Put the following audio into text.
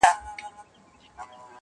ولي مي هره شېبه، هر ساعت په غم نیسې.